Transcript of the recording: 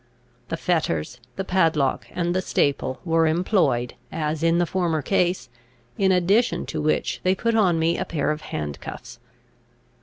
The fetters, the padlock, and the staple, were employed, as in the former case, in addition to which they put on me a pair of handcuffs.